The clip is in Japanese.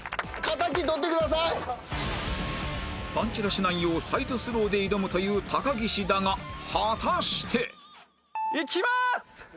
パンチラしないようサイドスローで挑むという高岸だが果たしていきまーす！